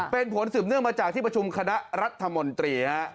เป็นผลสืบเนื่องมาจากที่ประชุมคณะรัฐมนตรีฮะ